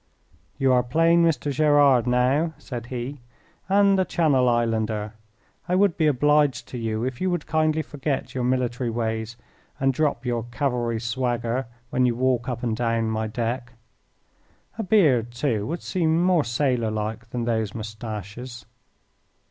"You are plain Mr. Gerard now," said he, "and a Channel Islander. I would be obliged to you if you would kindly forget your military ways and drop your cavalry swagger when you walk up and down my deck. A beard, too, would seem more sailor like than those moustaches."